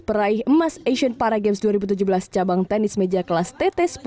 peraih emas asian paragames dua ribu tujuh belas cabang tenis meja kelas tt sepuluh